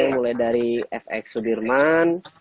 mulai dari fx sudirman